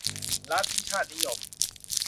ลัทธิชาตินิยม